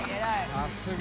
さすが！